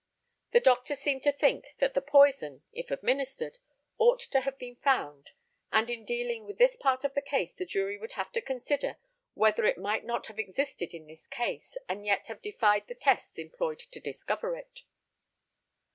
The doctor seemed to think, that the poison, if administered, ought to have been found, and in dealing with this part of the case the jury would have to consider whether it might not have existed in this case, and yet have defied the tests employed to discover it.